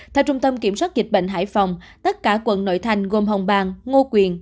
theo trung tâm kiểm soát dịch bệnh hải phòng tất cả quận nội thành gồm hồng bàng ngô quyền